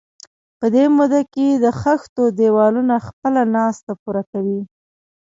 په دې موده کې د خښتو دېوالونه خپله ناسته پوره کوي.